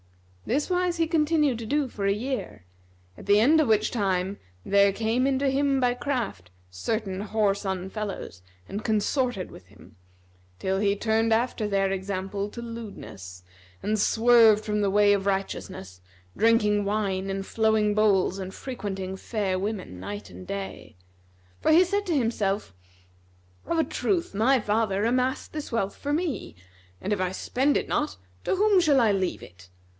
This wise he continued to do for a year, at the end of which time there came in to him by craft certain whoreson fellows and consorted with him, till he turned after their example to lewdness and swerved from the way of righteousness, drinking wine in flowing bowls and frequenting fair women night and day; for he said to himself, "Of a truth my father amassed this wealth for me, and if I spend it not, to whom shall I leave it?